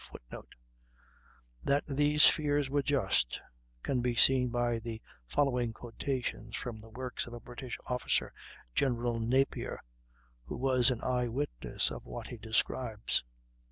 [Footnote: That these fears were just can be seen by the following quotations, from the works of a British officer, General Napier, who was an eye witness of what he describes.